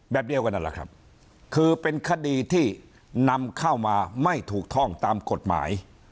แบบเดียวกันนั่นแหละครับคือเป็นคดีที่นำเข้ามาไม่ถูกท่องตามกฎหมาย